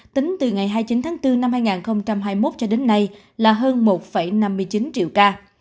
tính từ ngày hai mươi chín tháng bốn năm hai nghìn hai mươi một cho đến nay là hơn một năm mươi chín triệu ca